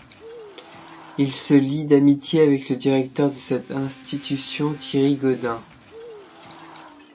Il se lie d'amitié avec le directeur de cette institution Thierry Gaudin.